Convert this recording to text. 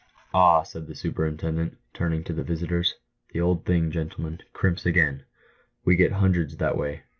"Ah," said the superintendent, turning to the visitors, "the old thing, gentlemen, ' crimps' again ! "We get hundreds that way.